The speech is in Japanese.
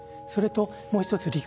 それともう一つ